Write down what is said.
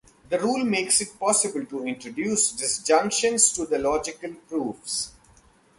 The rule makes it possible to introduce disjunctions to logical proofs.